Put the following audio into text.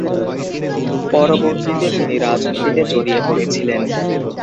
পরবর্তীতে তিনি রাজনীতিতে জড়িয়ে পড়েছিলেন।